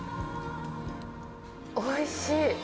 おいしい。